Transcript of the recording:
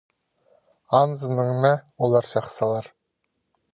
Анзынаң на олар чахсылар.